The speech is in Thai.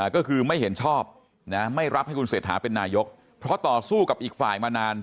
ก็คือไม่เห็นชอบไม่รับให้คุณเศรษฐาเป็นนายกเพราะต่อสู้กับอีกฝ่ายมานาน